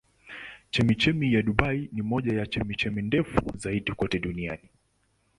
Chemchemi ya Dubai ni moja ya chemchemi ndefu zaidi kote duniani.